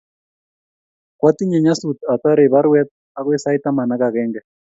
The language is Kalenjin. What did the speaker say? kwa tinye nyasut atarei baruet akoi sait taman ak agenge